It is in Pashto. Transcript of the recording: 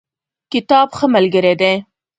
کتاب ښه ملګری دی